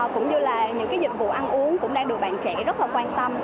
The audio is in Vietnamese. cũng như là những cái dịch vụ ăn uống cũng đang được bạn trẻ rất là quan tâm